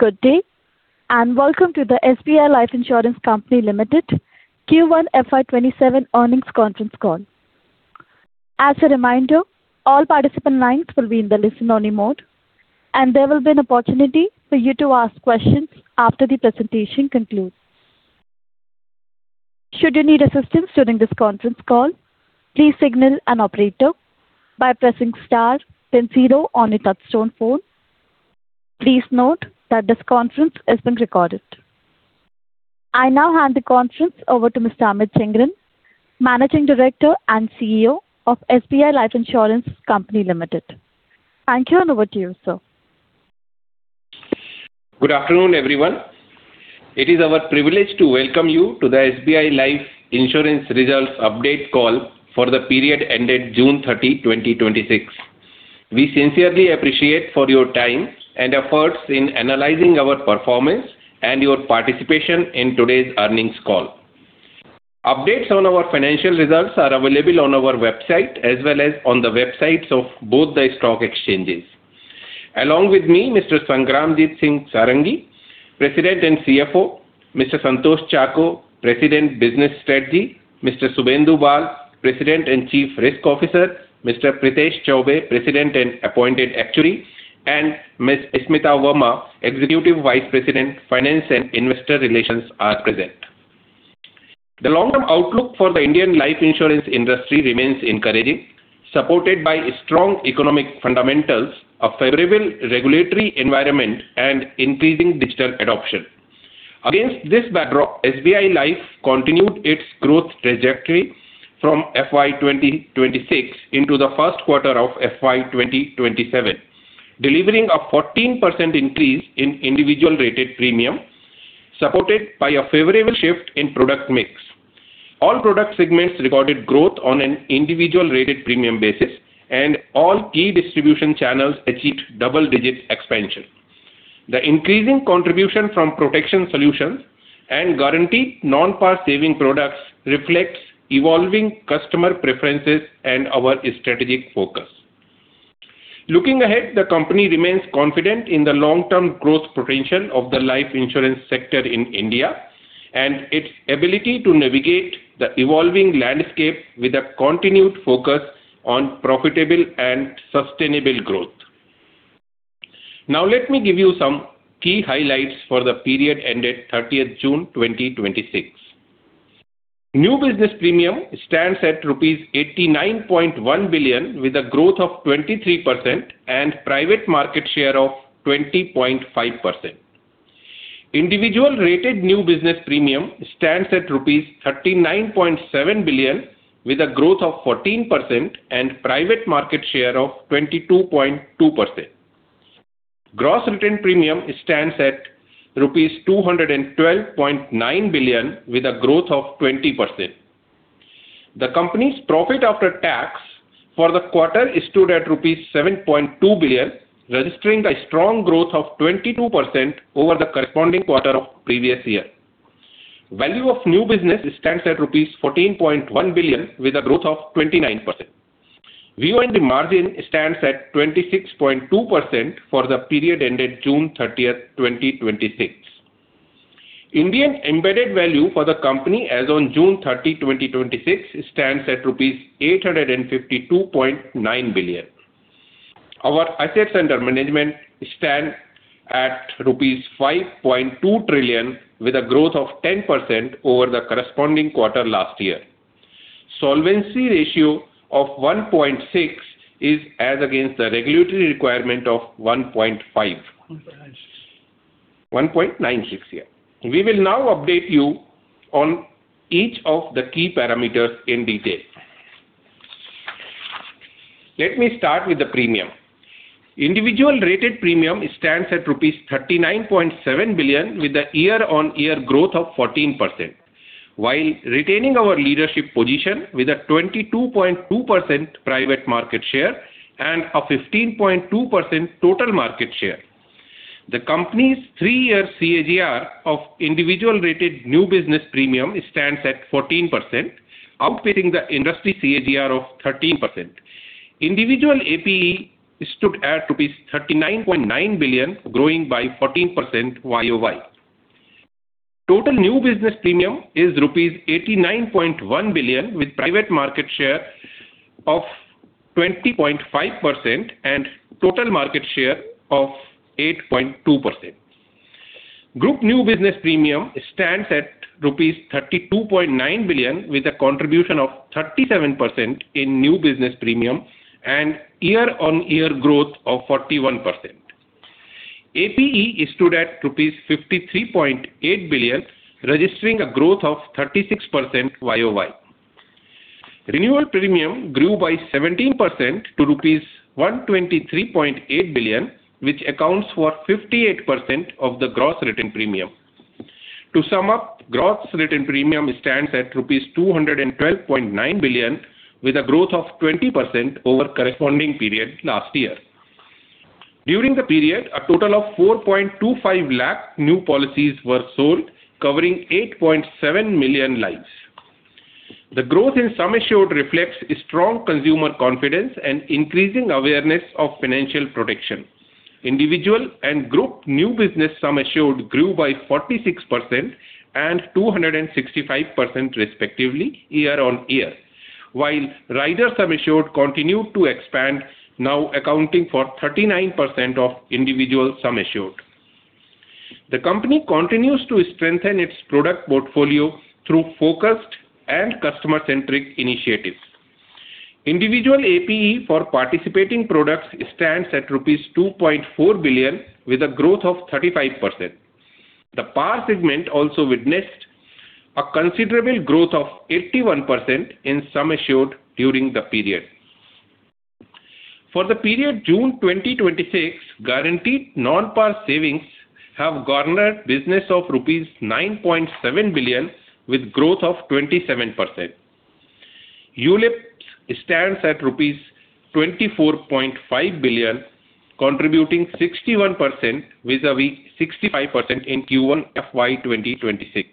Good day, welcome to the SBI Life Insurance Company Limited Q1 FY 2027 earnings conference call. As a reminder, all participant lines will be in the listen-only mode, and there will be an opportunity for you to ask questions after the presentation concludes. Should you need assistance during this conference call, please signal an operator by pressing star then zero on your touch-tone phone. Please note that this conference is being recorded. I now hand the conference over to Mr. Amit Jhingran, Managing Director and CEO of SBI Life Insurance Company Limited. Thank you, over to you, sir. Good afternoon, everyone. It is our privilege to welcome you to the SBI Life Insurance results update call for the period ended June 30, 2026. We sincerely appreciate for your time and efforts in analyzing our performance and your participation in today's earnings call. Updates on our financial results are available on our website as well as on the websites of both the stock exchanges. Along with me, Mr. Sangramjit Sarangi, President and Chief Financial Officer, Mr. Santosh Chacko, President, Business Strategy, Mr. Subhendu Bal, President and Chief Risk Officer, Mr. Prithesh Chaubey, President and Appointed Actuary, and Miss Smita Verma, Executive Vice President, Finance and Investor Relations are present. The long-term outlook for the Indian life insurance industry remains encouraging, supported by strong economic fundamentals, a favorable regulatory environment, and increasing digital adoption. Against this backdrop, SBI Life continued its growth trajectory from FY 2026 into the first quarter of FY 2027, delivering a 14% increase in individual rated premium, supported by a favorable shift in product mix. All product segments recorded growth on an individual rated premium basis, and all key distribution channels achieved double-digit expansion. The increasing contribution from protection solutions and guaranteed non-par saving products reflects evolving customer preferences and our strategic focus. Looking ahead, the company remains confident in the long-term growth potential of the life insurance sector in India, and its ability to navigate the evolving landscape with a continued focus on profitable and sustainable growth. Now let me give you some key highlights for the period ended 30th June, 2026. New business premium stands at rupees 89.1 billion with a growth of 23% and private market share of 20.5%. Individual rated new business premium stands at rupees 39.7 billion with a growth of 14% and private market share of 22.2%. Gross written premium stands at 212.9 billion rupees with a growth of 20%. The company's profit after tax for the quarter stood at rupees 7.2 billion, registering a strong growth of 22% over the corresponding quarter of previous year. Value of New Business stands at rupees 14.1 billion with a growth of 29%. VoNB margin stands at 26.2% for the period ended June 30, 2026. Indian Embedded Value for the company as on June 30, 2026, stands at rupees 852.9 billion. Our assets under management stand at rupees 5.2 trillion with a growth of 10% over the corresponding quarter last year. Solvency ratio of 1.6 is as against the regulatory requirement of 1.5. 1.96. 1.96, yeah. We will now update you on each of the key parameters in detail. Let me start with the premium. Individual rated premium stands at 39.7 billion rupees with a year-on-year growth of 14%, while retaining our leadership position with a 22.2% private market share and a 15.2% total market share. The company's three-year CAGR of individual rated new business premium stands at 14%, outpacing the industry CAGR of 13%. Individual APE stood at INR 39.9 billion, growing by 14% Y-o-Y. Total new business premium is rupees 89.1 billion, with private market share of 20.5% and total market share of 8.2%. Group new business premium stands at rupees 32.9 billion, with a contribution of 37% in new business premium and year-on-year growth of 41%. APE stood at 53.8 billion rupees, registering a growth of 36% Y-o-Y. Renewal premium grew by 17% to rupees 123.8 billion, which accounts for 58% of the gross written premium. To sum up, gross written premium stands at rupees 212.9 billion with a growth of 20% over corresponding period last year. During the period, a total of 4.25 lakh new policies were sold, covering 8.7 million lives. The growth in sum assured reflects strong consumer confidence and increasing awareness of financial protection. Individual and group new business sum assured grew by 46% and 265%, respectively, year-on-year. While rider sum assured continued to expand, now accounting for 39% of individual sum assured. The company continues to strengthen its product portfolio through focused and customer-centric initiatives. Individual APE for participating products stands at rupees 2.4 billion, with a growth of 35%. The par segment also witnessed a considerable growth of 81% in sum assured during the period. For the period June 2026, guaranteed non-par savings have garnered business of rupees 9.7 billion, with growth of 27%. ULIP stands at rupees 24.5 billion, contributing 61% vis-à-vis 65% in Q1 FY 2026.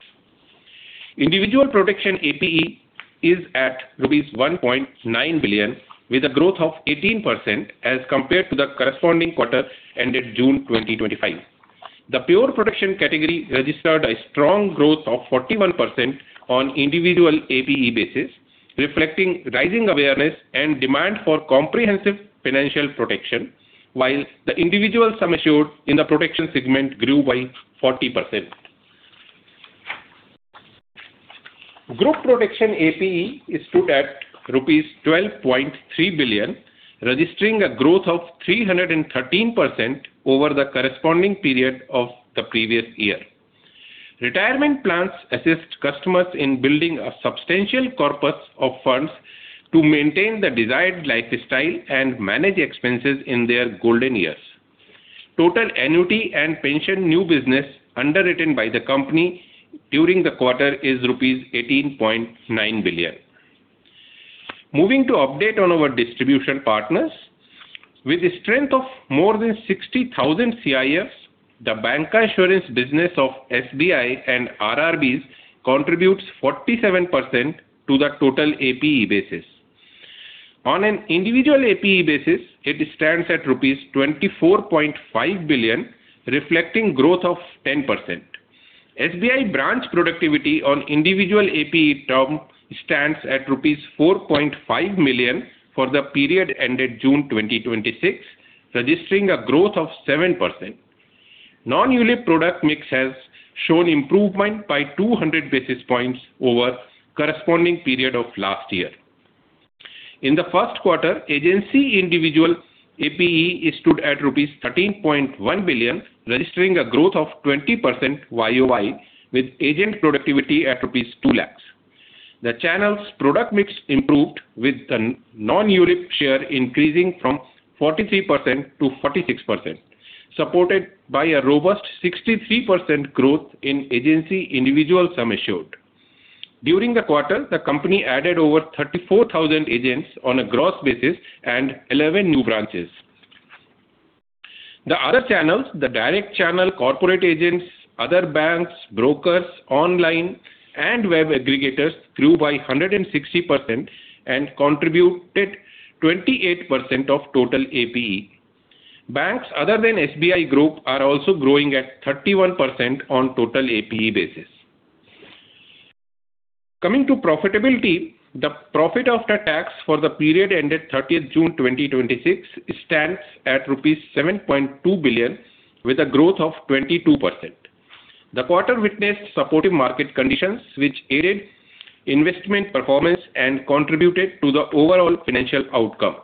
Individual protection APE is at 1.9 billion, with a growth of 18%, as compared to the corresponding quarter ended June 2025. The pure protection category registered a strong growth of 41% on individual APE basis, reflecting rising awareness and demand for comprehensive financial protection, while the individual sum assured in the protection segment grew by 40%. Group protection APE stood at rupees 12.3 billion, registering a growth of 313% over the corresponding period of the previous year. Retirement plans assist customers in building a substantial corpus of funds to maintain the desired lifestyle and manage expenses in their golden years. Total annuity and pension new business underwritten by the company during the quarter is rupees 18.9 billion. Moving to update on our distribution partners. With a strength of more than 60,000 CIFs, the bancassurance insurance business of SBI and RRBs contributes 47% to the total APE basis. On an individual APE basis, it stands at rupees 24.5 billion, reflecting growth of 10%. SBI branch productivity on individual APE term stands at 4.5 million rupees for the period ended June 2026, registering a growth of 7%. Non-ULIP product mix has shown improvement by 200 basis points over corresponding period of last year. In the first quarter, agency individual APE stood at rupees 13.1 billion, registering a growth of 20% Y-o-Y, with agent productivity at rupees 2 lakh. The channel's product mix improved with the non-ULIP share increasing from 43% to 46%, supported by a robust 63% growth in agency individual sum assured. During the quarter, the company added over 34,000 agents on a gross basis and 11 new branches. The other channels, the direct channel, corporate agents, other banks, brokers, online, and web aggregators grew by 160% and contributed 28% of total APE. Banks other than SBI Group are also growing at 31% on total APE basis. Coming to profitability, the profit after tax for the period ended 30th June 2026 stands at rupees 7.2 billion, with a growth of 22%. The quarter witnessed supportive market conditions, which aided investment performance and contributed to the overall financial outcome.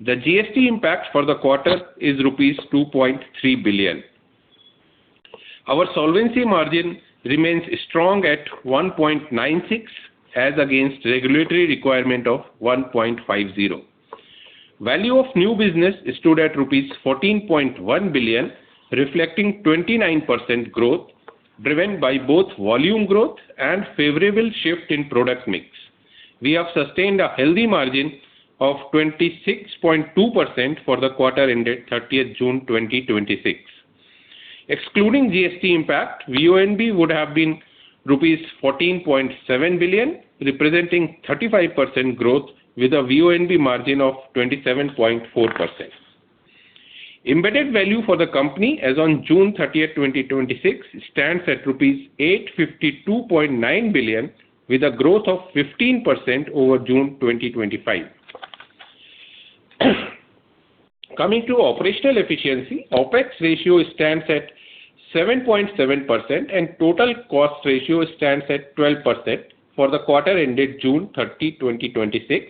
The GST impact for the quarter is rupees 2.3 billion. Our solvency margin remains strong at 1.96, as against regulatory requirement of 1.50. Value of new business stood at INR 14.1 billion, reflecting 29% growth, driven by both volume growth and favorable shift in product mix. We have sustained a healthy margin of 26.2% for the quarter ended 30th June 2026. Excluding GST impact, VoNB would have been rupees 14.7 billion, representing 35% growth, with a VoNB margin of 27.4%. Embedded value for the company as on June 30th, 2026, stands at rupees 852.9 billion, with a growth of 15% over June 2025. Coming to operational efficiency, OpEx ratio stands at 7.7% and total cost ratio stands at 12% for the quarter ended June 30, 2026,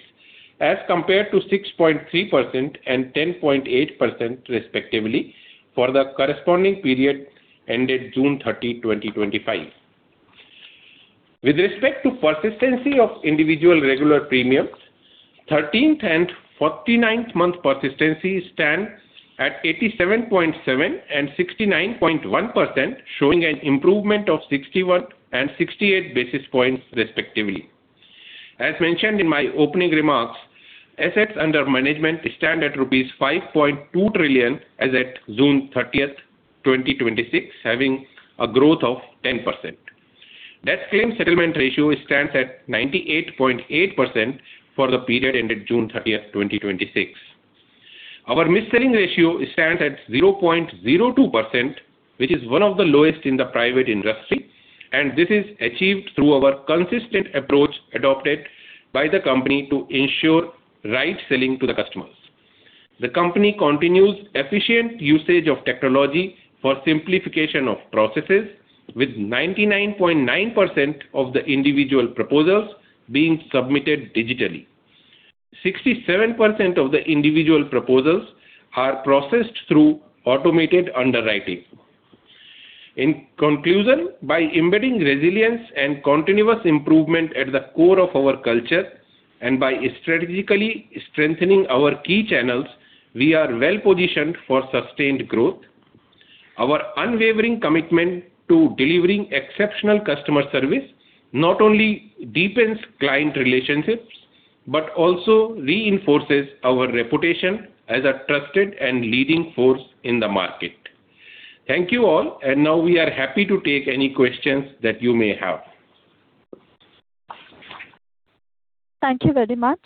as compared to 6.3% and 10.8%, respectively, for the corresponding period ended June 30, 2025. With respect to persistency of individual regular premiums, 13th and 49th month persistency stands at 87.7% and 69.1%, showing an improvement of 61 basis points and 68 basis points, respectively. As mentioned in my opening remarks, Assets under management stand at 5.2 trillion rupees as at June 30th, 2026, having a growth of 10%. Net claims settlement ratio stands at 98.8% for the period ended June 30th, 2026. Our mis-selling ratio stands at 0.02%, which is one of the lowest in the private industry, and this is achieved through our consistent approach adopted by the company to ensure right selling to the customers. The company continues efficient usage of technology for simplification of processes, with 99.9% of the individual proposals being submitted digitally. 67% of the individual proposals are processed through automated underwriting. By embedding resilience and continuous improvement at the core of our culture and by strategically strengthening our key channels, we are well-positioned for sustained growth. Our unwavering commitment to delivering exceptional customer service not only deepens client relationships but also reinforces our reputation as a trusted and leading force in the market. Thank you all. Now we are happy to take any questions that you may have. Thank you very much.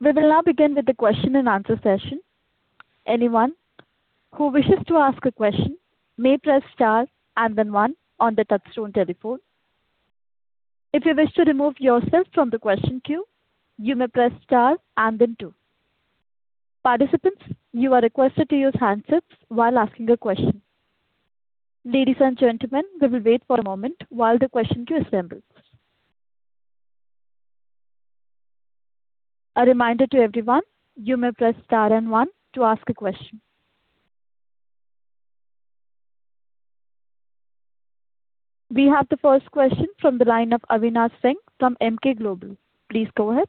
We will now begin with the question-and-answer session. Anyone who wishes to ask a question may press star and then one on the touch-tone telephone. If you wish to remove yourself from the question queue, you may press star and then two. Participants, you are requested to use handsets while asking a question. Ladies and gentlemen, we will wait for a moment while the question queue assembles. A reminder to everyone, you may press star and one to ask a question. We have the first question from the line of Avinash Singh from Emkay Global. Please go ahead.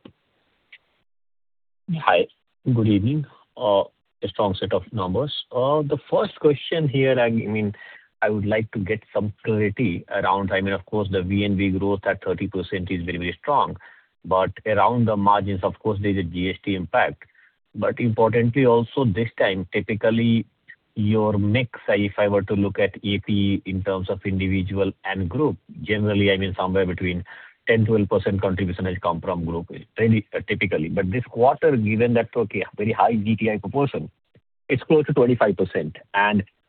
Hi, good evening. A strong set of numbers. The first question here, I would like to get some clarity. Of course, the VoNB growth at 30% is very strong. Around the margins, of course, there's a GST impact. Importantly also this time, typically, your mix, if I were to look at APE in terms of individual and group, generally, somewhere between 10%-12% contribution has come from group, typically. This quarter, given that very high GTI proportion, it's close to 25%.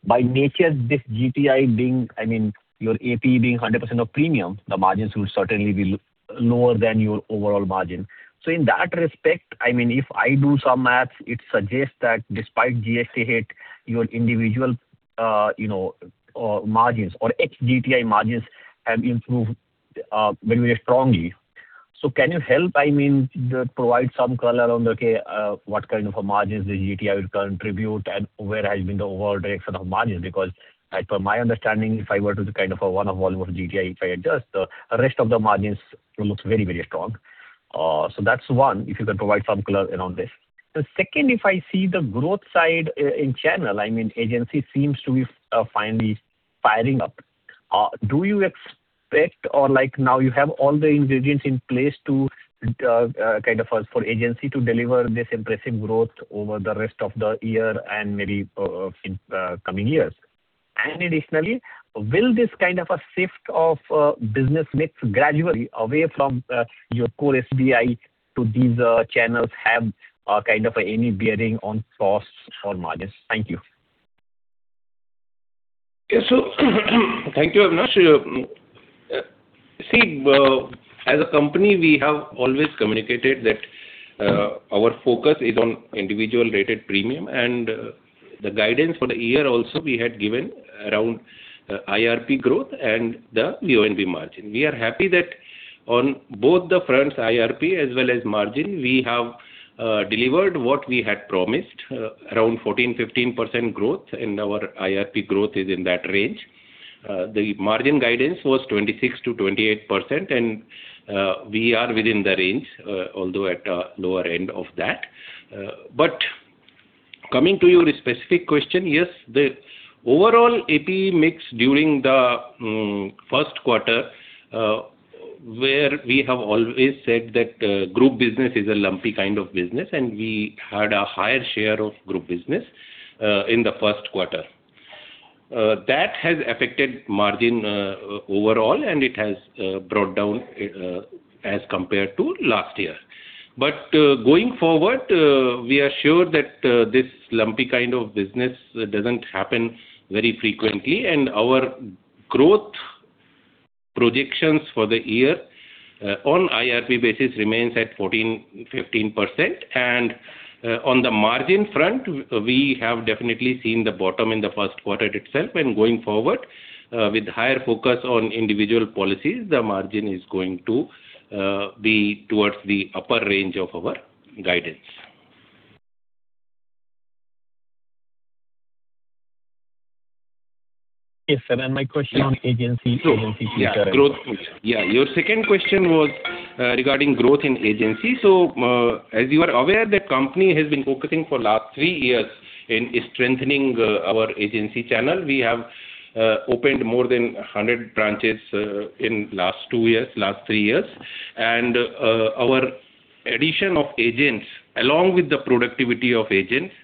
By nature, your APE being 100% of premium, the margins will certainly be lower than your overall margin. In that respect, if I do some maths, it suggests that despite GST hit, your individual margins or ex-GTI margins have improved very strongly. Can you help provide some color on, okay, what kind of a margins the GTI will contribute and where has been the overall direction of margins? As per my understanding, if I were to do a one-off volume of GTI, if I adjust, the rest of the margins looks very strong. That's one, if you can provide some color around this. The second, if I see the growth side in channel, agency seems to be finally firing up. Do you expect now you have all the ingredients in place for agency to deliver this impressive growth over the rest of the year and maybe in coming years? Additionally, will this kind of a shift of business mix gradually away from your core SBI to these channels have any bearing on costs or margins? Thank you. Yes. Thank you, Avinash. See, as a company, we have always communicated that our focus is on individual related premium and the guidance for the year also we had given around IRP growth and the VoNB margin. We are happy that on both the fronts, IRP as well as margin, we have delivered what we had promised, around 14%-15% growth, and our IRP growth is in that range. The margin guidance was 26%-28%, and we are within the range, although at lower end of that. Coming to your specific question, yes, the overall APE mix during the first quarter, where we have always said that group business is a lumpy kind of business, and we had a higher share of group business in the first quarter. That has affected margin overall, and it has brought down as compared to last year. Going forward, we are sure that this lumpy kind of business doesn't happen very frequently, and our growth projections for the year on IRP basis remains at 14%-15%. On the margin front, we have definitely seen the bottom in the first quarter itself. Going forward with higher focus on individual policies, the margin is going to be towards the upper range of our guidance. Yes, sir. My question on agency Sure agency future. Your second question was regarding growth in agency. As you are aware, the company has been focusing for last three years in strengthening our agency channel. We have opened more than 100 branches in last three years. Our addition of agents, along with the productivity of agents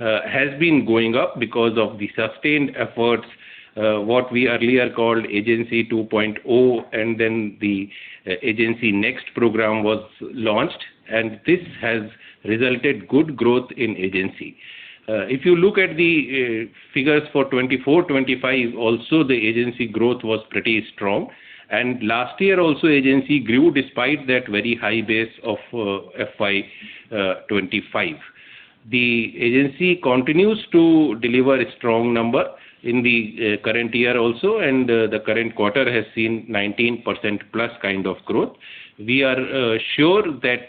Has been going up because of the sustained efforts, what we earlier called Agency 2.0. Then the Agency Next program was launched, and this has resulted good growth in agency. If you look at the figures for 2024-2025, also the agency growth was pretty strong. Last year also, agency grew despite that very high base of FY 2025. The agency continues to deliver a strong number in the current year also, and the current quarter has seen 19%-plus kind of growth. We are sure that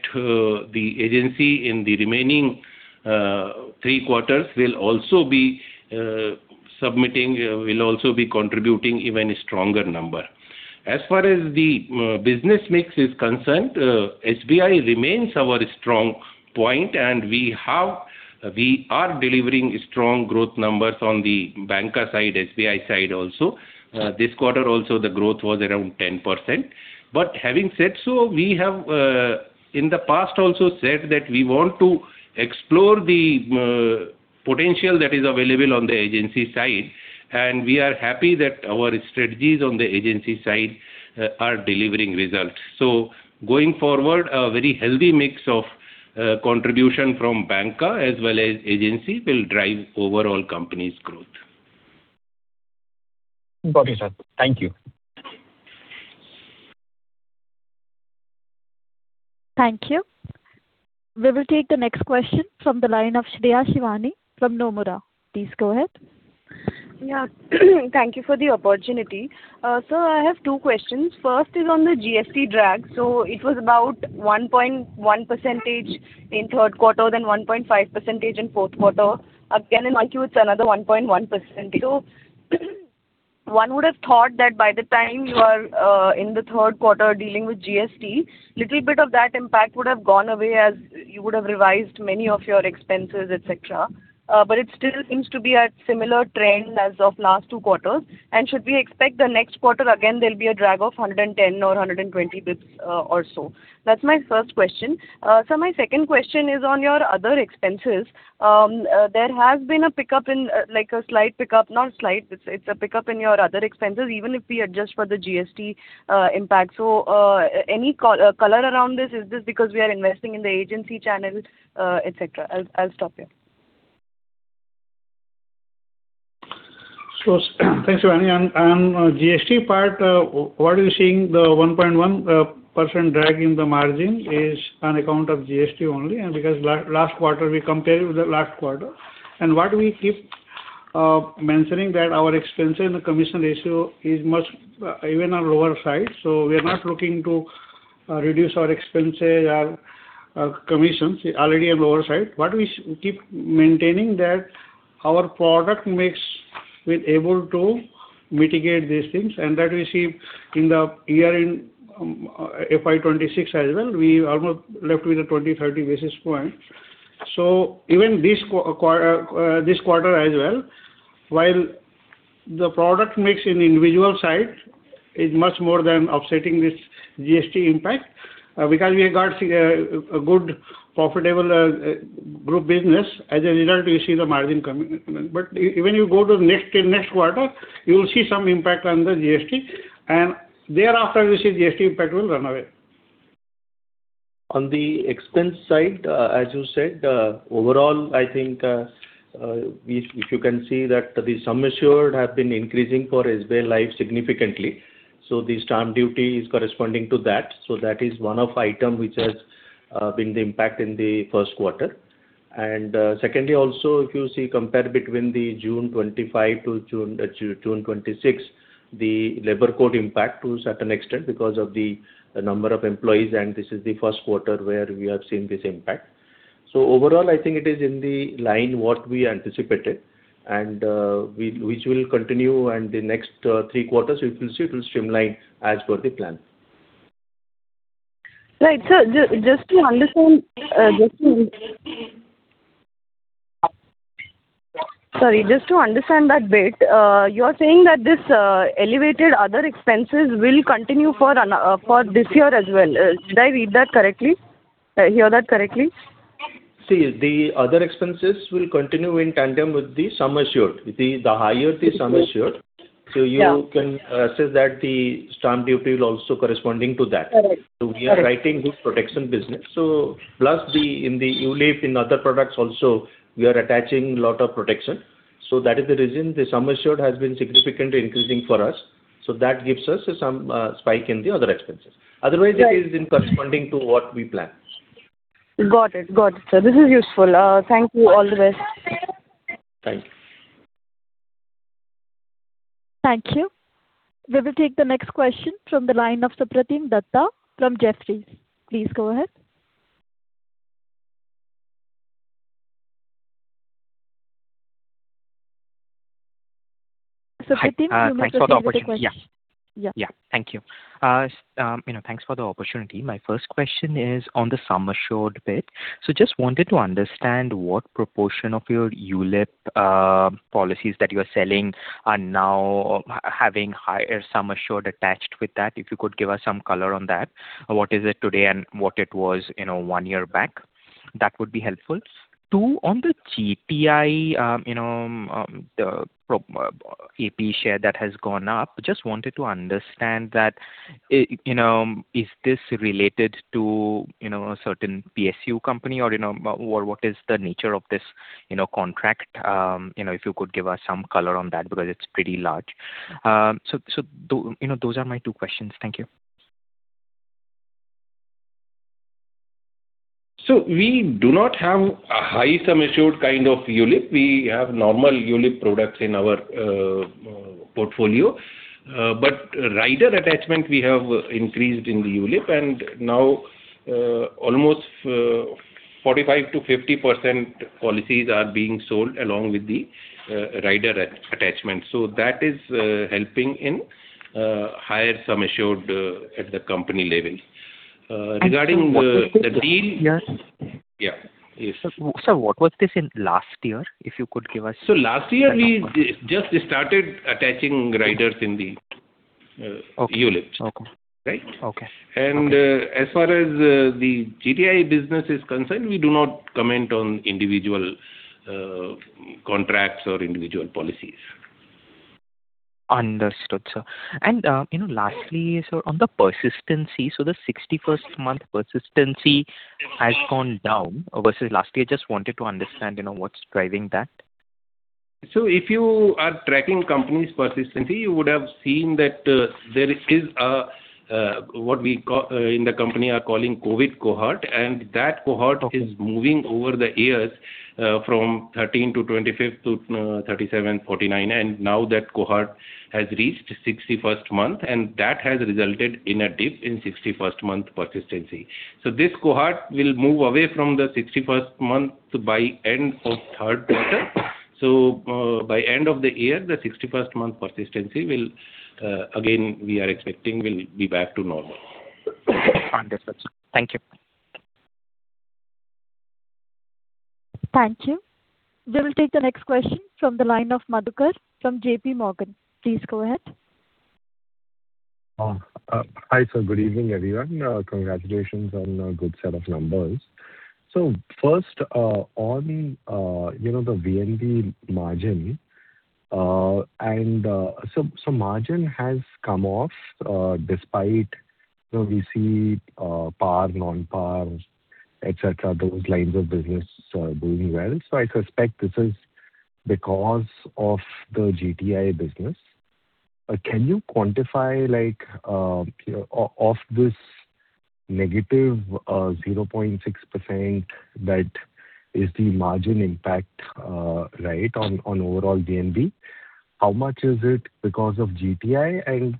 the agency in the remaining three quarters will also be contributing even stronger number. As far as the business mix is concerned, SBI remains our strong point, and we are delivering strong growth numbers on the banker side, SBI side also. This quarter also, the growth was around 10%. Having said so, we have in the past also said that we want to explore the potential that is available on the agency side, and we are happy that our strategies on the agency side are delivering results. Going forward, a very healthy mix of contribution from banker as well as agency will drive overall company's growth. Got you, sir. Thank you. Thank you. We will take the next question from the line of Shreya Shivani from Nomura. Please go ahead. Yeah. Thank you for the opportunity. Sir, I have two questions. First is on the GST drag. It was about 1.1% in third quarter, then 1.5% in fourth quarter. In 1Q, it's another 1.1%. One would've thought that by the time you are in the third quarter dealing with GST, little bit of that impact would have gone away as you would have revised many of your expenses, et cetera. It still seems to be at similar trend as of last two quarters. Should we expect the next quarter, again, there'll be a drag of 110 basis points or 120 basis points or so? That's my first question. Sir, my second question is on your other expenses. There has been a slight pickup, not slight, it's a pickup in your other expenses, even if we adjust for the GST impact. Any color around this? Is this because we are investing in the Agency channel, et cetera? I'll stop here. Thanks, Shivani. On GST part, what you're seeing, the 1.1% drag in the margin is on account of GST only. Because last quarter, we compare with the last quarter. What we keep mentioning that our expense and commission ratio is much even on lower side. We are not looking to reduce our expenses or commissions, already on lower side. What we keep maintaining that our product mix will able to mitigate these things, and that we see in the year-end FY 2026 as well. We almost left with a 20 basis points-30 basis points. Even this quarter as well, while the product mix in individual side is much more than offsetting this GST impact, because we have got a good, profitable group business. As a result, you see the margin coming in. When you go to next quarter, you will see some impact on the GST, thereafter, you see GST impact will run away. On the expense side, as you said, overall, I think, if you can see that the sum assured have been increasing for SBI Life significantly. The stamp duty is corresponding to that. That is one of item which has been the impact in the first quarter. Secondly, also, if you see compare between the June 2025 to June 2026, the labor code impact to a certain extent because of the number of employees, and this is the first quarter where we have seen this impact. Overall, I think it is in the line what we anticipated, and which will continue, and the next three quarters, you will see it will streamline as per the plan. Right, sir. Just to understand. Sorry, just to understand that bit. You are saying that this elevated other expenses will continue for this year as well. Did I read that correctly? Hear that correctly? The other expenses will continue in tandem with the sum assured. The higher the sum assured- Yeah You can say that the stamp duty will also corresponding to that. Correct. We are writing good protection business. Plus, in the ULIP, in other products also, we are attaching lot of protection. That is the reason the sum assured has been significantly increasing for us. That gives us some spike in the other expenses. Right It is in corresponding to what we planned. Got it, sir. This is useful. Thank you. All the best. Thank you. Thank you. We will take the next question from the line of Supratim Datta from Jefferies. Please go ahead. Supratim, you may proceed with the question. Hi. Thanks for the opportunity. Yeah. Yeah. Yeah. Thank you. Thanks for the opportunity. My first question is on the sum assured bit. Just wanted to understand what proportion of your ULIP policies that you're selling are now having higher sum assured attached with that, if you could give us some color on that. What is it today and what it was one year back? That would be helpful. Two, on the GTI, the APE share that has gone up, just wanted to understand that, is this related to a certain PSU company or what is the nature of this contract? If you could give us some color on that because it's pretty large. Those are my two questions. Thank you. We do not have a high sum assured kind of ULIP. We have normal ULIP products in our portfolio. Rider attachment we have increased in the ULIP and now almost 45%-50% policies are being sold along with the rider attachment. That is helping in higher sum assured at the company level. Regarding the deal- Yes. Yeah. Yes. Sir, what was this in last year, if you could give us that number. Last year we just started attaching riders in the Okay ULIPs. Okay. Right. Okay. As far as the GTI business is concerned, we do not comment on individual contracts or individual policies. Understood, sir. Lastly, sir, on the persistency, so the 61st month persistency has gone down versus last year. Just wanted to understand what's driving that? If you are tracking company's persistency, you would have seen that there is a, what we in the company are calling COVID cohort, and that cohort is moving over the years from 13th to 25th to 37th, 49th and now that cohort has reached 61st month and that has resulted in a dip in 61st month persistency. This cohort will move away from the 61st month by end of third quarter. By end of the year, the 61st month persistency will, again, we are expecting will be back to normal. Understood, sir. Thank you. Thank you. We will take the next question from the line of Madhukar from JPMorgan. Please go ahead. Hi, sir. Good evening, everyone. Congratulations on a good set of numbers. First, on the VoNB margin. Margin has come off, despite we see par, non-par, et cetera, those lines of business are doing well. I suspect this is because of the GTI business. Can you quantify, of this negative 0.6% that is the margin impact on overall VoNB, how much is it because of GTI?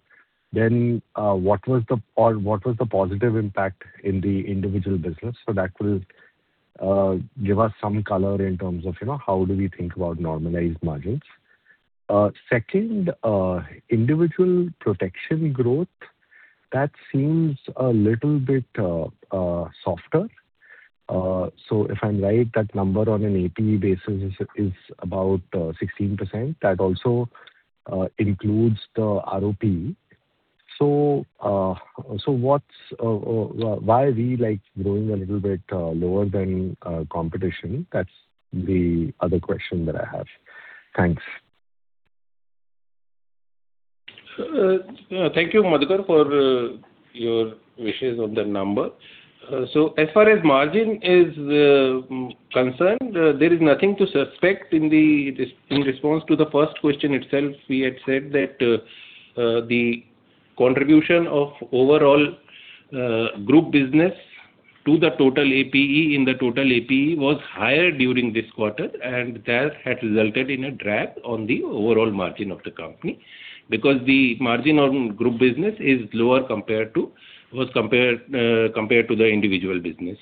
What was the positive impact in the individual business? That will give us some color in terms of how do we think about normalized margins. Second, individual protection growth, that seems a little bit softer. If I'm right, that number on an APE basis is about 16%. That also includes the ROP. Why are we growing a little bit lower than competition? That's the other question that I have. Thanks. Thank you, Madhukar, for your wishes on the number. As far as margin is concerned, there is nothing to suspect. In response to the first question itself, we had said that the contribution of overall group business to the total APE in the total APE was higher during this quarter, and that has resulted in a drag on the overall margin of the company because the margin on group business is lower compared to the individual business.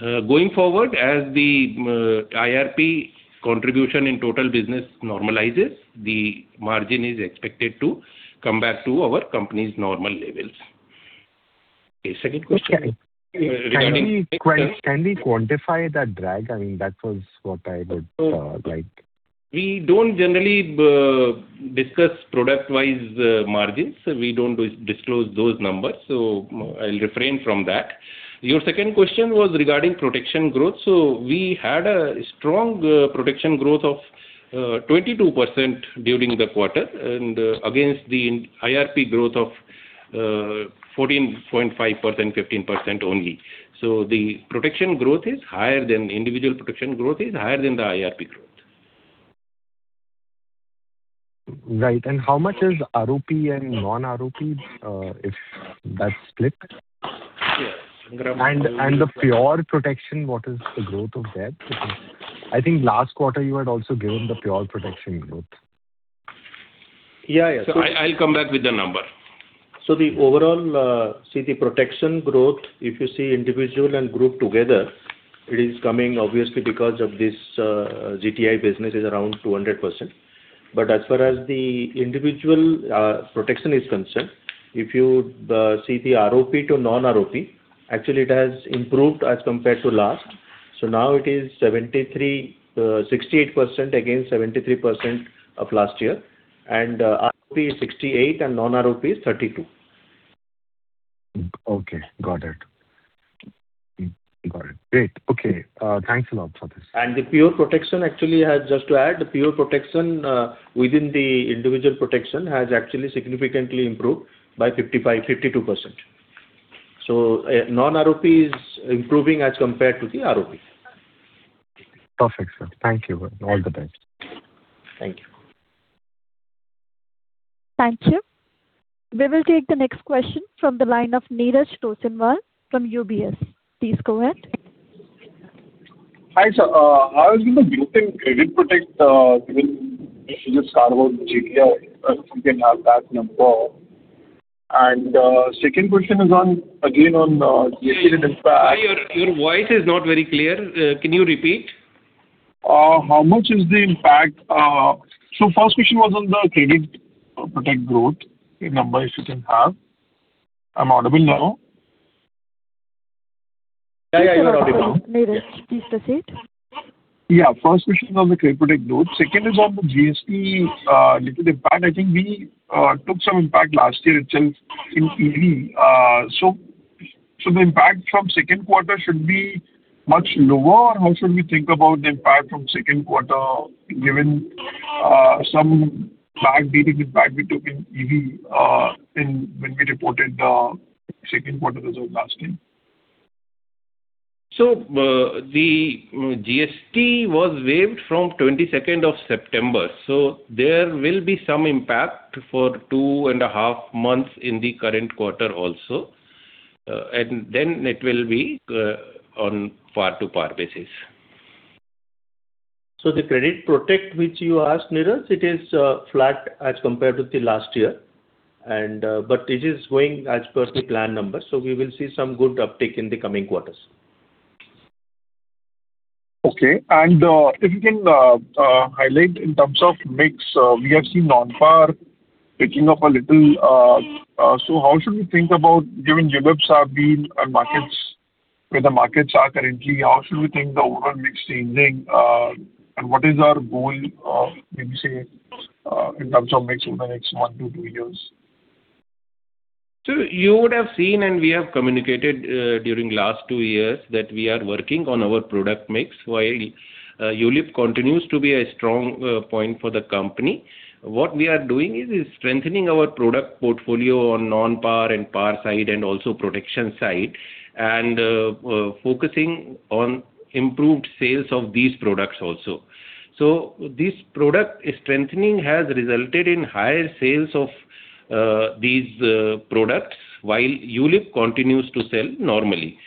Going forward, as the IRP contribution in total business normalizes, the margin is expected to come back to our company's normal levels. Second question. Can we quantify that drag? That was what I would like. We don't generally discuss product-wise margins. We don't disclose those numbers. I'll refrain from that. Your second question was regarding protection growth. We had a strong protection growth of 22% during the quarter and against the IRP growth of 14.5%-15% only. The individual protection growth is higher than the IRP growth. Right. How much is ROP and non-ROP, if that's split? The pure protection, what is the growth of that? I think last quarter you had also given the pure protection growth. Yeah. I'll come back with the number. The overall protection growth, if you see individual and group together, it is coming obviously because of this GTI business is around 200%. As far as the individual protection is concerned, if you see the ROP to non-ROP, actually it has improved as compared to last. Now it is 68% against 73% of last year. ROP is 68% and non-ROP is 32%. Okay, got it. Great. Okay. Thanks a lot for this. Just to add, the pure protection within the individual protection has actually significantly improved by 52%. Non-ROP is improving as compared to the ROP. Perfect, sir. Thank you. All the best. Thank you. Thank you. We will take the next question from the line of Neeraj Toshniwal from UBS. Please go ahead. Hi, sir. How has been the growth in credit protect given the issues about GTL, if you can have that number. Second question is again on the GST impact. Sorry, your voice is not very clear. Can you repeat? First question was on the credit protect growth number, if you can have. Am I audible now? Yeah. You are audible now. Yes, Neeraj. Please proceed. First question on the credit protect growth. Second is on the GST negative impact. I think we took some impact last year itself in EV. The impact from second quarter should be much lower, or how should we think about the impact from second quarter given some back dating impact we took in EV when we reported the second quarter result last year. The GST was waived from 22nd of September. There will be some impact for two and a half months in the current quarter also. It will be on par-to-par basis. The credit protect, which you asked, Neeraj, it is flat as compared to the last year. It is going as per the plan number. We will see some good uptick in the coming quarters. Okay. If you can highlight in terms of mix, we have seen non-par picking up a little. How should we think about, given ULIPs have been where the markets are currently, how should we think the overall mix changing and what is our goal of, maybe say, in terms of mix over the next one to two years? You would have seen, and we have communicated during last two years that we are working on our product mix. While ULIP continues to be a strong point for the company. What we are doing is strengthening our product portfolio on non-par and par side and also protection side and focusing on improved sales of these products also. This product strengthening has resulted in higher sales of these products while ULIP continues to sell normally.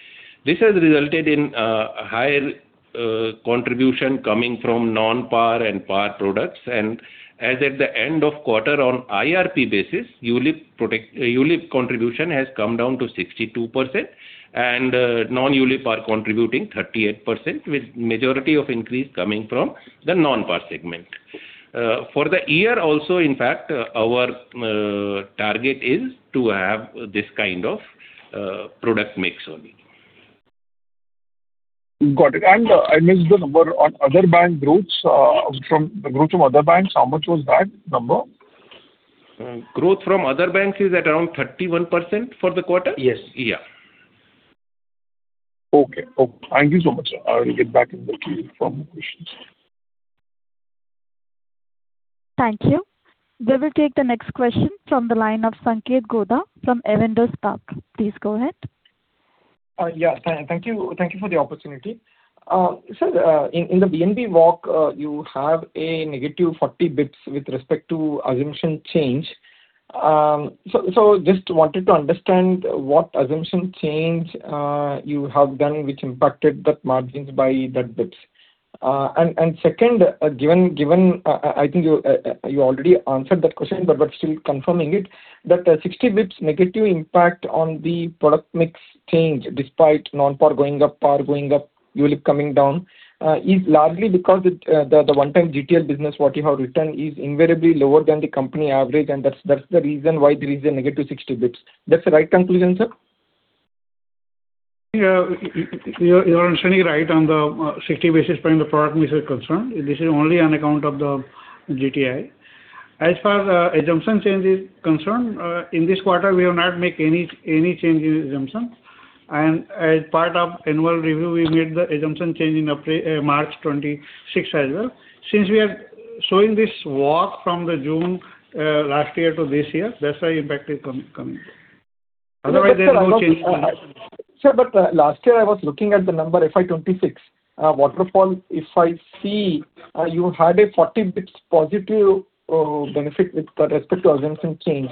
This has resulted in a higher contribution coming from non-par and par products. As at the end of quarter on IRP basis, ULIP contribution has come down to 62% and non-ULIP are contributing 38%, with majority of increase coming from the non-par segment. For the year also, in fact, our target is to have this kind of product mix only. Got it. I missed the number on other bank growths. The growth from other banks, how much was that number? Growth from other banks is at around 31% for the quarter. Yes. Yeah. Okay. Thank you so much, sir. I will get back if I have any further questions. Thank you. We will take the next question from the line of Sanketh Godha from Avendus Spark. Please go ahead. Yeah. Thank you for the opportunity. Sir, in the VoNB walk, you have a -40 basis points with respect to assumption change. Just wanted to understand what assumption change you have done which impacted that margins by that basis points. Second, I think you already answered that question, but still confirming it, that -60 basis points impact on the product mix change despite non-par going up, par going up, ULIP coming down, is largely because the one-time GTL business what you have written is invariably lower than the company average, and that's the reason why there is a -60 basis points. That's the right conclusion, sir? Yeah. Your understanding right on the 60 basis points of product mix is concerned. This is only on account of the GTL. As far as assumption change is concerned, in this quarter, we have not made any change in assumption. As part of annual review, we made the assumption change in March 2026 as well. Since we are showing this walk from the June last year to this year, that's why impact is coming. Otherwise, there are no change. Sir, last year I was looking at the number FY 2026 waterfall. If I see you had a 40 basis points positive benefit with respect to assumption change.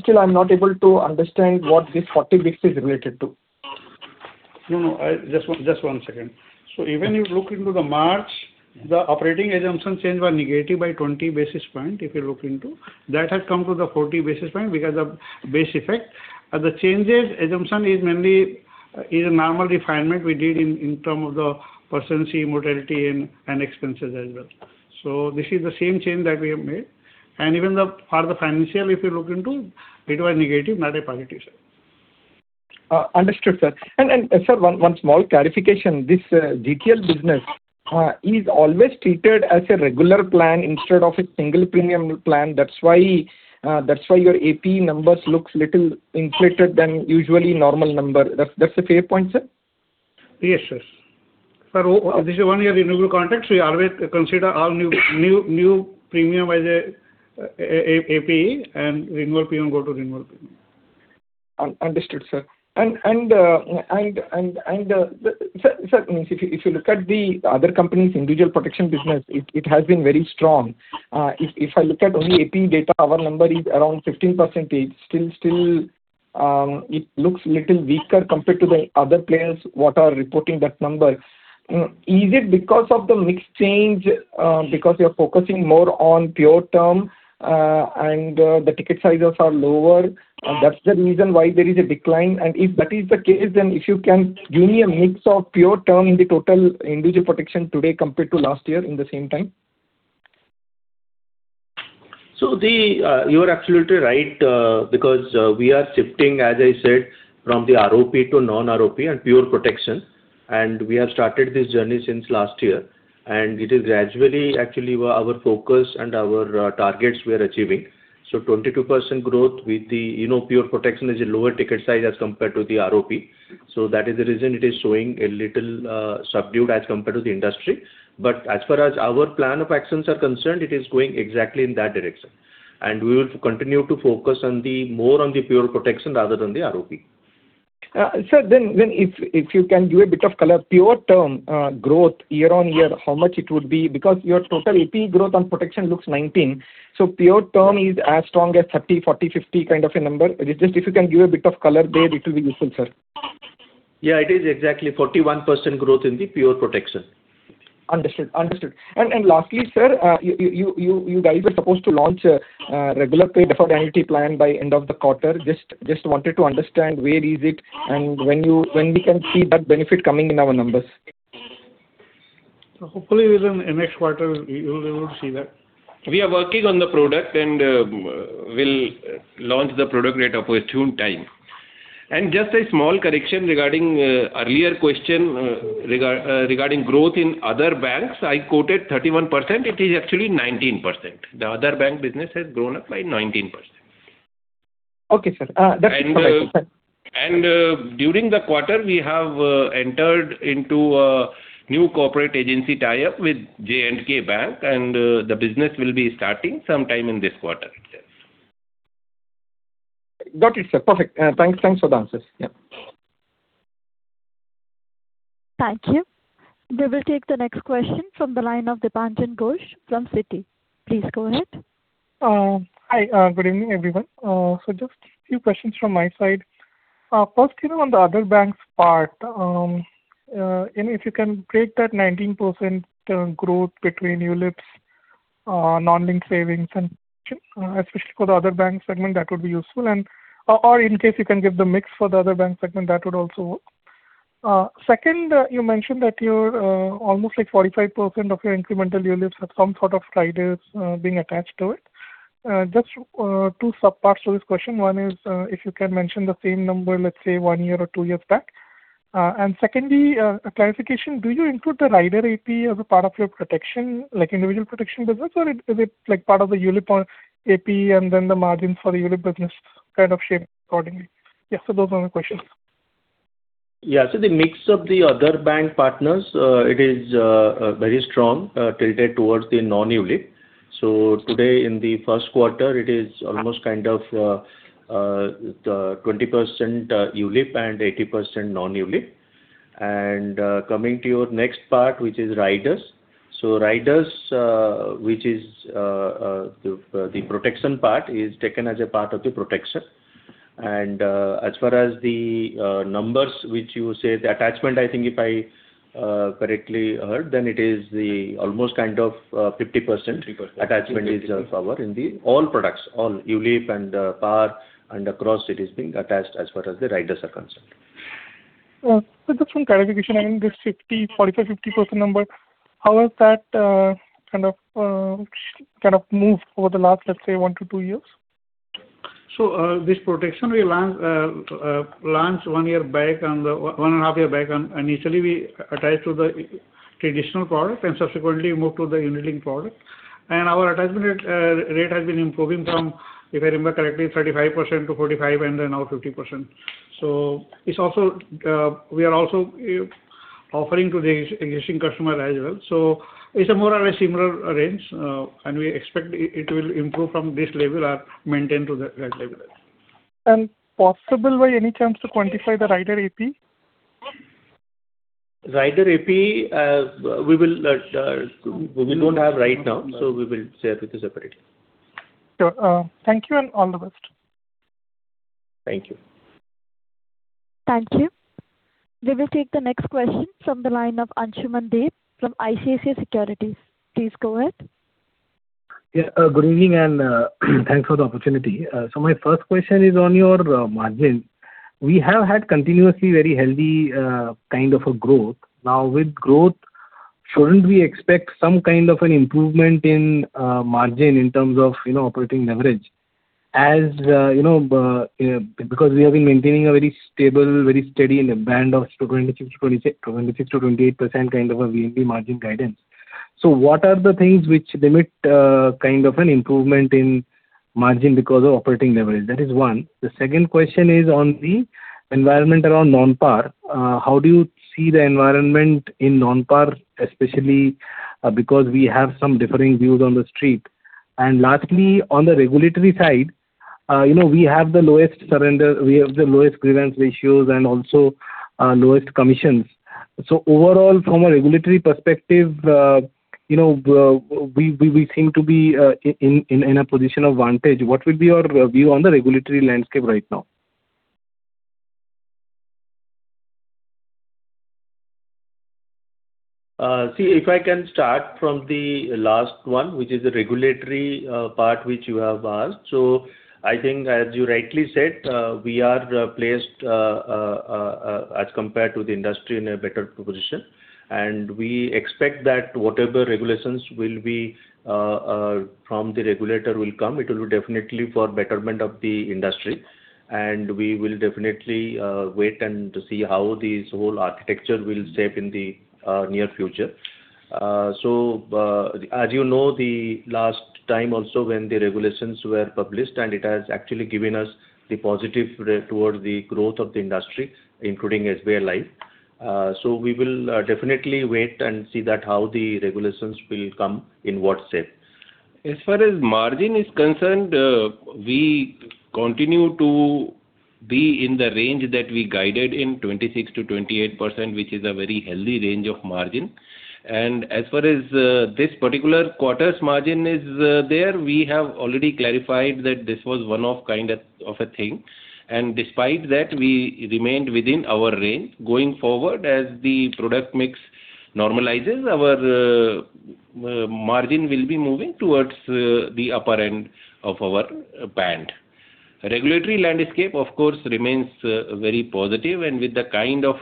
Still I'm not able to understand what this 40 basis points is related to. No. Just one second. Even if you look into the March, the operating assumption change was negative by 20 basis points, if you look into. That has come to the 40 basis points because of base effect. The assumption change is mainly a normal refinement we did in terms of the policy, mortality and expenses as well. This is the same change that we have made. Even for the financial, if you look into, it was negative, not a positive. Understood, sir. Sir, one small clarification. This GTL business is always treated as a regular plan instead of a single premium plan. That's why your APE numbers look little inflated than usually normal number. That's the fair point, sir? Yes, yes. Sir, this is one year renewable contract. We always consider all new premium as APE and renewable goes to renewable premium. Understood, sir. Sir, if you look at the other company's individual protection business, it has been very strong. If I look at only APE data, our number is around 15%. Still, it looks little weaker compared to the other players that are reporting that number. Is it because of the mix change because you're focusing more on pure term and the ticket sizes are lower? That's the reason why there is a decline and if that is the case, then if you can give me a mix of pure term in the total individual protection today compared to last year in the same time. You are absolutely right because we are shifting, as I said, from the ROP to non-ROP and pure protection, and we have started this journey since last year. It is gradually actually our focus and our targets we are achieving. 22% growth with the pure protection is a lower ticket size as compared to the ROP. That is the reason it is showing a little subdued as compared to the industry. As far as our plan of actions are concerned, it is going exactly in that direction. We will continue to focus more on the pure protection rather than the ROP. Sir, if you can give a bit of color. Pure term growth year-on-year, how much it would be? Your total APE growth on protection looks 19%. Pure term is as strong as 30%-40%-50% kind of a number. If you can give a bit of color there, it will be useful, sir. It is exactly 41% growth in the pure protection. Understood. Lastly, sir, you guys are supposed to launch a regular paid annuity plan by end of the quarter. Just wanted to understand where is it and when we can see that benefit coming in our numbers. Hopefully within next quarter, you will be able to see that. We are working on the product and will launch the product at opportune time. Just a small correction regarding earlier question regarding growth in other banks. I quoted 31%, it is actually 19%. The other bank business has grown up by 19%. Okay, sir. That's perfect. During the quarter, we have entered into a new corporate agency tie-up with J&K Bank and the business will be starting some time in this quarter itself. Got it, sir. Perfect. Thanks for the answers. Yeah. Thank you. We will take the next question from the line of Dipanjan Ghosh from Citi. Please go ahead. Hi. Good evening, everyone. Just few questions from my side. First, on the other banks part, if you can break that 19% growth between ULIPs, non-linked savings and especially for the other bank segment, that would be useful. Or in case you can give the mix for the other bank segment, that would also work. Second, you mentioned that almost 45% of your incremental ULIPs have some sort of riders being attached to it. Just two sub-parts to this question. One is, if you can mention the same number, let's say, one year or two years back. A clarification, do you include the rider APE as a part of your protection, like individual protection business or is it part of the ULIP APE and then the margin for the ULIP business kind of shaped accordingly? Those are my questions. The mix of the other bank partners, it is very strong, tilted towards the non-ULIP. Today in the first quarter, it is almost kind of 20% ULIP and 80% non-ULIP. Coming to your next part, which is riders. Riders, which is the protection part, is taken as a part of the protection. As far as the numbers, which you say the attachment, I think if I correctly heard, then it is the almost kind of 50% attachment is our in the all products, all ULIP and PAR and across it is being attached as far as the riders are concerned. Just one clarification. I mean, this 45%-50% number, how has that kind of moved over the last, let's say, one to two years? This protection we launched one and a half year back. Initially, we attached to the traditional product and subsequently moved to the unit linked product. Our attachment rate has been improving from, if I remember correctly, 35%-45% and then now 50%. We are also offering to the existing customer as well. It's a more or a similar range, and we expect it will improve from this level or maintain to that level. Possible by any chance to quantify the rider APE? Rider APE, we don't have right now, so we will share with you separately. Sure. Thank you and all the best. Thank you. Thank you. We will take the next question from the line of Ansuman Deb from ICICI Securities. Please go ahead. Good evening and thanks for the opportunity. My first question is on your margin. We have had continuously very healthy kind of a growth. Now with growth Shouldn't we expect some kind of an improvement in margin in terms of operating leverage because we have been maintaining a very stable, very steady in a band of 26%-28% kind of a VNB margin guidance. What are the things which limit kind of an improvement in margin because of operating leverage? That is one. The second question is on the environment around non-par. How do you see the environment in non-par, especially because we have some differing views on the street. Lastly, on the regulatory side, we have the lowest surrender, we have the lowest grievance ratios and also lowest commissions. Overall, from a regulatory perspective, we seem to be in a position of advantage. What will be your view on the regulatory landscape right now? If I can start from the last one, which is the regulatory part which you have asked. I think as you rightly said, we are placed, as compared to the industry, in a better position. We expect that whatever regulations from the regulator will come, it will be definitely for betterment of the industry. We will definitely wait and to see how this whole architecture will shape in the near future. As you know, the last time also when the regulations were published, it has actually given us the positive towards the growth of the industry, including SBI Life. We will definitely wait and see that how the regulations will come in what shape. As far as margin is concerned, we continue to be in the range that we guided in 26%-28%, which is a very healthy range of margin. As far as this particular quarter's margin is there, we have already clarified that this was one-off kind of a thing. Despite that, we remained within our range. Going forward, as the product mix normalizes, our margin will be moving towards the upper end of our band. Regulatory landscape, of course, remains very positive. With the kind of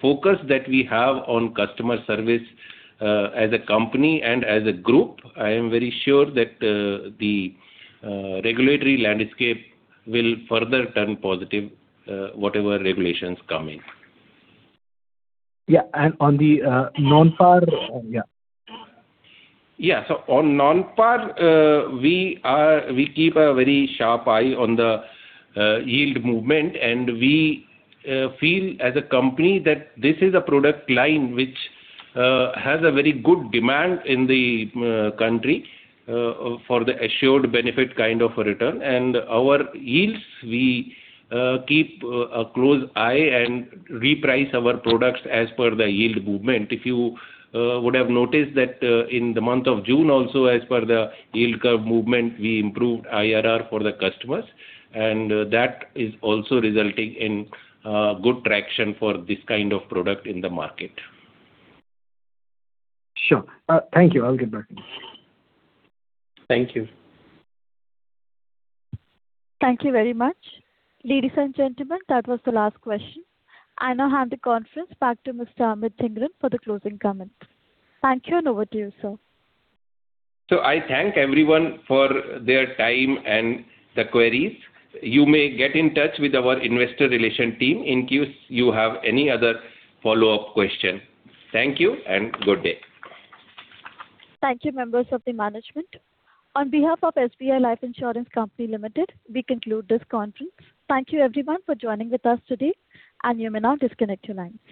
focus that we have on customer service as a company and as a group, I am very sure that the regulatory landscape will further turn positive, whatever regulations come in. Yeah. On the non-par. Yeah. Yeah. On non-par, we keep a very sharp eye on the yield movement, we feel as a company that this is a product line which has a very good demand in the country for the assured benefit kind of a return. Our yields, we keep a close eye and reprice our products as per the yield movement. If you would have noticed that in the month of June also, as per the yield curve movement, we improved IRR for the customers, that is also resulting in good traction for this kind of product in the market. Sure. Thank you. I'll get back. Thank you. Thank you very much. Ladies and gentlemen, that was the last question. I now hand the conference back to Mr. Amit Jhingran for the closing comments. Thank you, over to you, sir. I thank everyone for their time and the queries. You may get in touch with our Investor Relation team in case you have any other follow-up question. Thank you and good day. Thank you, members of the management. On behalf of SBI Life Insurance Company Limited, we conclude this conference. Thank you everyone for joining with us today. You may now disconnect your lines.